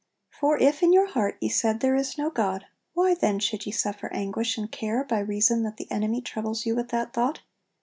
For if in your heart ye said there is no God, why then should ye suffer anguish and care by reason that the enemy troubles you with that thought?